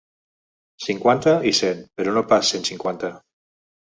Cinquanta i cent, però no pas cent cinquanta.